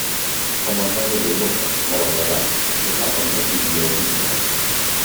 Com la noia d'Europa, vol agradar, però sap amb precisió a quin preu.